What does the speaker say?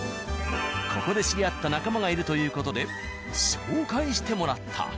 ここで知り合った仲間がいるという事で紹介してもらった。